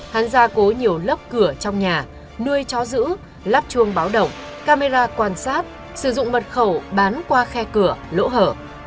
hắn gia cố nhiều lấp cửa trong nhà nuôi chó giữ lắp chuông báo động camera quan sát sử dụng mật khẩu bán qua khe cửa lỗ hở